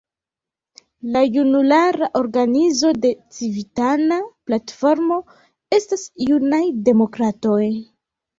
La junulara organizo de Civitana Platformo estas Junaj Demokratoj.